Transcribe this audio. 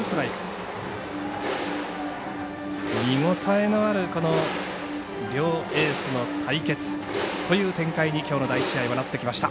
見応えのある両エースの対決という展開にきょうの第１試合はなってきました。